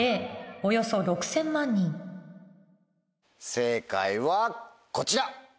正解はこちら！